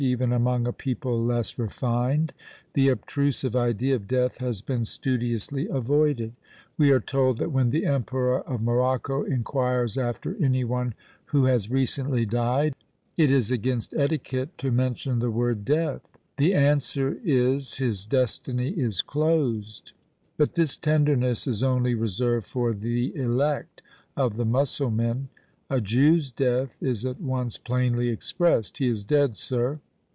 Even among a people less refined, the obtrusive idea of death has been studiously avoided: we are told that when the Emperor of Morocco inquires after any one who has recently died, it is against etiquette to mention the word "death;" the answer is "his destiny is closed!" But this tenderness is only reserved for "the elect" of the Mussulmen. A Jew's death is at once plainly expressed: "He is dead, sir!